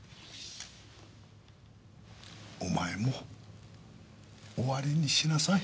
お前も終わりにしなさい。